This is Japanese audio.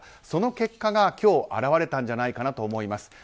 その結果が今日表れたんじゃないかなと思います。